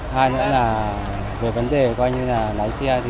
hai nữa là về vấn đề coi như là lái xe thì